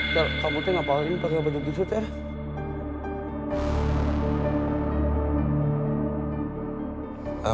tar kamu kenapa lagi pake badan itu tar